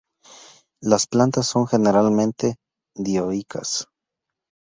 Las plantas son generalmente dioicas.